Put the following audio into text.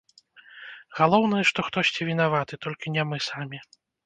Галоўнае, што хтосьці вінаваты, толькі не мы самі.